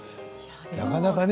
なかなかね